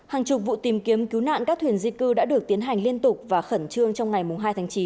hàng chục vụ tìm kiếm cứu nạn các thuyền di cư đã được tiến hành liên tục và khẩn trương trong ngày hai tháng chín